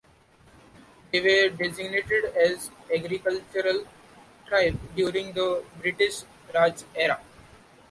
They were designated as an agricultural tribe during the British Raj era.